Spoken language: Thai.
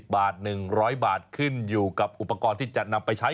บาท๑๐๐บาทขึ้นอยู่กับอุปกรณ์ที่จะนำไปใช้